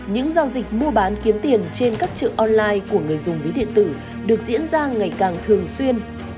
những giao dịch mua bán kiếm tiền trên các chợ online của người dùng ví điện tử được diễn ra ngày càng thường xuyên